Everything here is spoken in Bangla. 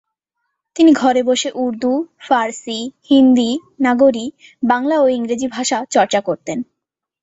তিনি ঘরে বসে উর্দু, ফার্সী, হিন্দি, নাগরী, বাংলা ও ইংরেজি ভাষা চর্চা করতেন।